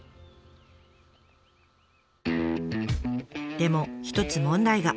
でも一つ問題が。